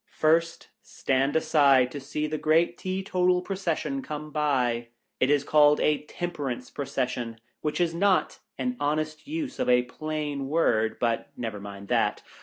First, stand aside to see the great Tee total Procession come by. It is called a Temperance Procession — which is not an honest use of a plain word, but never mind that.